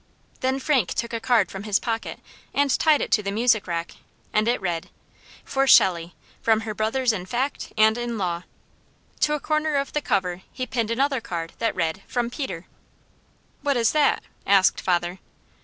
Then Frank took a card from his pocket and tied it to the music rack, and it read: "For Shelley, from her brothers in fact, and in law." To a corner of the cover he pinned another card that read: "From Peter." "What is that?" asked father.